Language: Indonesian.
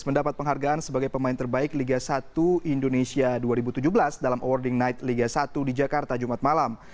mendapat penghargaan sebagai pemain terbaik liga satu indonesia dua ribu tujuh belas dalam awarding night liga satu di jakarta jumat malam